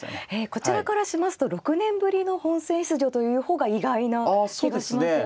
こちらからしますと６年ぶりの本戦出場という方が意外な気がしますよね。